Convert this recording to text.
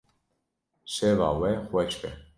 Şeva we xweş be.